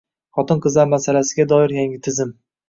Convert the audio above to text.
Xotin-qizlar masalasiga doir yangi tizim